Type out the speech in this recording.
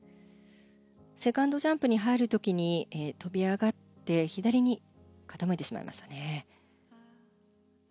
セカンドジャンプに入る時に跳び上がって左に傾いてしまいましたね。